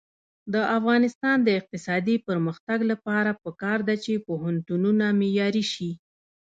د افغانستان د اقتصادي پرمختګ لپاره پکار ده چې پوهنتونونه معیاري شي.